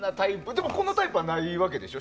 でもこのタイプはないでしょ。